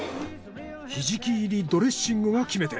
ひじき入りドレッシングが決め手。